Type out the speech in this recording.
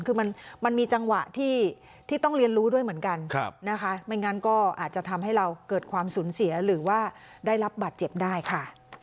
คือมันมีจังหวะที่ต้องเรียนรู้ด้วยเหมือนกันนะคะไม่งั้นก็อาจจะทำให้เราเกิดความสูญเสียหรือว่าได้รับบาดเจ็บได้ค่ะ